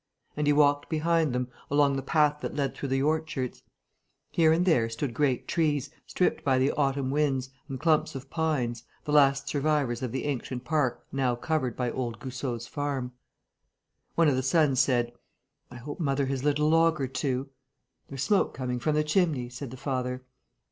And he walked behind them, along the path that led through the orchards. Here and there stood great trees, stripped by the autumn winds, and clumps of pines, the last survivors of the ancient park now covered by old Goussot's farm. One of the sons said: "I hope mother has lit a log or two." "There's smoke coming from the chimney," said the father.